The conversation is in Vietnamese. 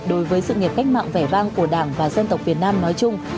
đối với sự nghiệp cách mạng vẻ vang của đảng và dân tộc việt nam nói chung